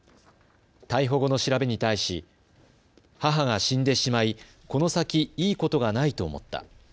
逮捕後の調べに対し、母が死んでしまい、この先いいことがないと思った。